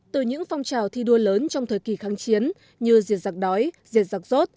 từ những phong trào thi đua lớn trong thời kỳ kháng chiến như diệt giặc đói diệt giặc rốt